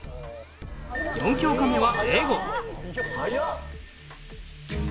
４教科目は英語。